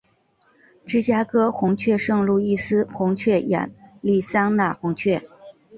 芝加哥红雀圣路易斯红雀亚利桑那红雀